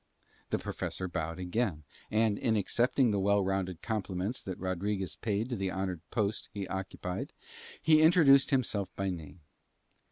The Professor bowed again and, in accepting the well rounded compliments that Rodriguez paid to the honoured post he occupied, he introduced himself by name.